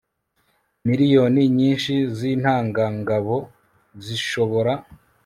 miliyoni nyinshi z'intangangabo, zishobora